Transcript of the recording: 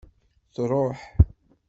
Truḥ.